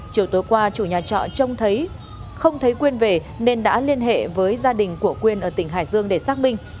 chiều tối qua chủ nhà trọ trông thấy không thấy quyên về nên đã liên hệ với gia đình của quyên ở tỉnh hải dương để xác minh